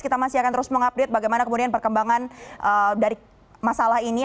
kita masih akan terus mengupdate bagaimana kemudian perkembangan dari masalah ini